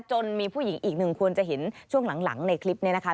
มีผู้หญิงอีกหนึ่งควรจะเห็นช่วงหลังในคลิปนี้นะคะ